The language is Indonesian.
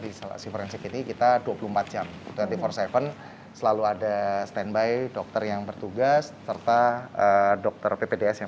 disalahkan sekitar kita dua puluh empat jam dua ratus empat puluh tujuh selalu ada standby dokter yang bertugas serta dokter ppds yang